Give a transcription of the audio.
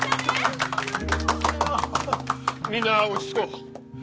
みんな落ち着こう。